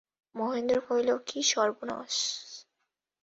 মহেন্দ্র কহিল, কী সর্বনাশ।